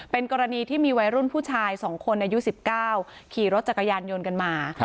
เป็นกรณีที่มีวัยรุ่นผู้ชาย๒คนอายุ๑๙ขี่รถจักรยานยนต์กันมา